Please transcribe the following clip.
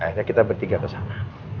akhirnya kita bertiga kesana